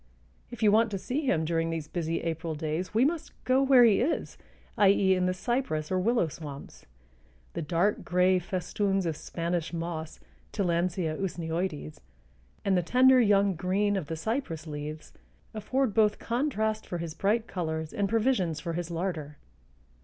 If you want to see him during these busy April days we must go where he is, i. e., in the cypress or willow swamps. The dark gray festoons of Spanish moss (Tillandsia usneoides) and the tender young green of the cypress leaves afford both contrast for his bright colors and provisions for his larder.